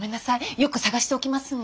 よく捜しておきますんで。